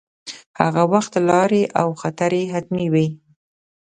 هغه وخت لارې او خطرې حتمې وې.